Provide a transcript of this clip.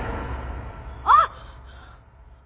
あっ！